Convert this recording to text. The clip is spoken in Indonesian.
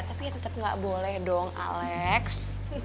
tapi tetap gak boleh dong alex